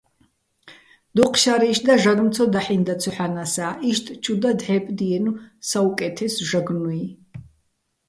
დუჴ შარი́შ და ჟაგნო̆ ცო დაჰ̦ინდა ცოჰ̦ანასა́, იშტ ჩუ და დჵე́პდიენო̆ საუკე́თესო ჟაგნუჲ.